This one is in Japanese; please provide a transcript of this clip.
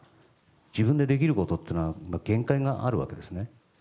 自分でできることというのは限界があるわけですね。